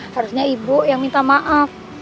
harusnya ibu yang minta maaf